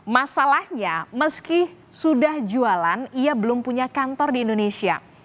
masalahnya meski sudah jualan ia belum punya kantor di indonesia